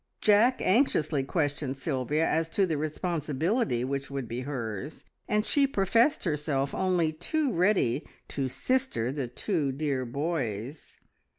Jack anxiously questioned Sylvia as to the responsibility which would be hers, and she professed herself only too ready to sister the two dear boys.